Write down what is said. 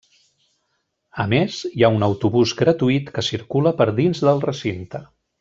A més, hi ha un autobús gratuït que circula per dins del recinte.